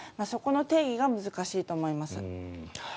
そこの定義が難しいと思います。